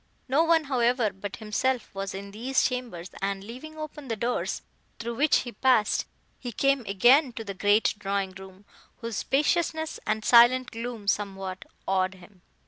No one, however, but himself, was in these chambers, and leaving open the doors through which he passed, he came again to the great drawing room, whose spaciousness and silent gloom somewhat awed him.